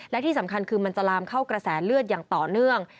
และที่สำคัญคือมันจะลามเข้ากระแสเลือดอย่างต่อเนื่อง